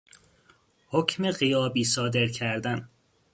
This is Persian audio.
حکم غیابی صادر کردن